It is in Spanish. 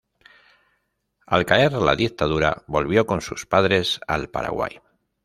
Al caer la dictadura, volvió con sus padres al Paraguay.